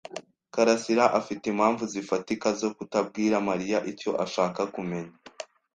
karasira afite impamvu zifatika zo kutabwira Mariya icyo ashaka kumenya.